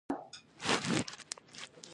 په توکل کښېنه، اندېښنه مه کوه.